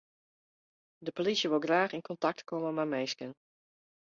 De polysje wol graach yn kontakt komme mei dy minsken.